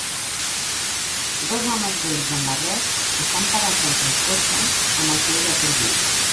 Dos homes vells amb barrets estan parats entre els cotxes amb els seus acordions.